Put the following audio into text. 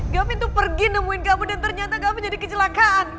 gavind tuh pergi nemuin kamu dan ternyata gavind jadi kecelakaan